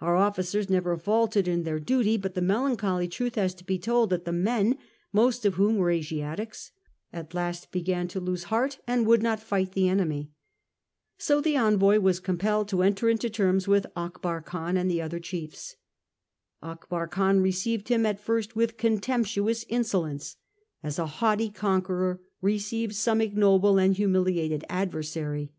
Our officers never faltered in their duty ; but the melancholy truth has to be told that the men, most of whom were Asiatics, at last began to lose heart and would not fight the enemy. So the envoy was compelled to enter into terms with Akbar Khiy ij and the other chiefs. Akbar Khan received him at first with contemptuous insolence — as a haughty conqueror receives some ignoble and h u miliated ad versary.